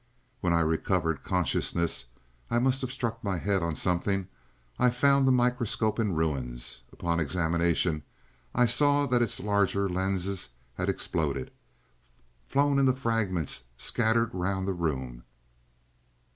"When I recovered consciousness I must have struck my head on something I found the microscope in ruins. Upon examination I saw that its larger lens had exploded flown into fragments scattered around the room.